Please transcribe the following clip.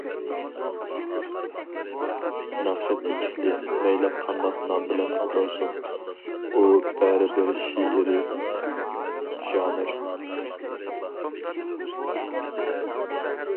ناخشا تېكىستى مەيلى قانداق نام بىلەن ئاتالسۇن، ئۇ بەرىبىر شېئىرىي ژانىر.